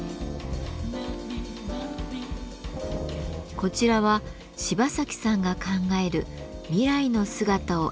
こちらは芝崎さんが考える未来の姿を描いたもの。